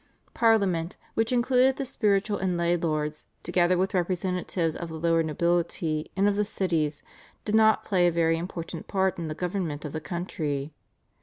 Parliament, which included the spiritual and lay lords, together with representatives of the lower nobility and of the cities, did not play a very important part in the government of the country.